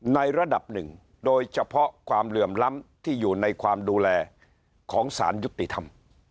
ในระดับหนึ่งโดยเฉพาะความเหลื่อมล้ำที่อยู่ในความดูแลของสารยุติธรรม